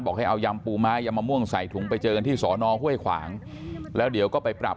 ให้เอายำปูไม้ยำมะม่วงใส่ถุงไปเจอกันที่สอนอห้วยขวางแล้วเดี๋ยวก็ไปปรับ